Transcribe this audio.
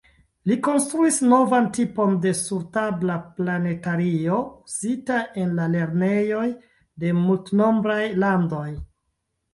Li konstruis novan tipon de sur-tabla planetario uzita en la lernejoj de multenombraj landoj.